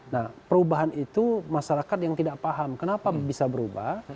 nah perubahan itu masyarakat yang tidak paham kenapa bisa berubah